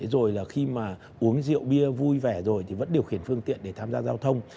rồi là khi mà uống rượu bia vui vẻ rồi thì vẫn điều khiển phương tiện để tham gia giao thông